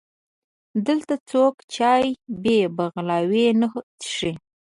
دلته څوک چای بې بغلاوې نه څښي.